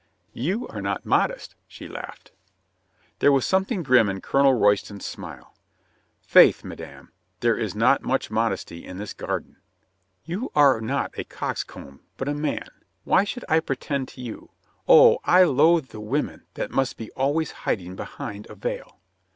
"You are not modest," she laughed. There was something grim in Colonel Royston's smile. "Faith, madame, there is not much modesty in this garden." "You are not a coxcomb, but a man. Why should' I pretend to you? Oh, I loathe the women that must be always hiding behind a veil."